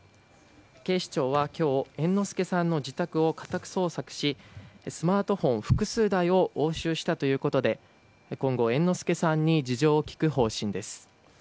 警視庁は今日猿之助さんの自宅を家宅捜索しスマートフォン複数台を押収したということで今後、猿之助さんに事情を聴く方針です。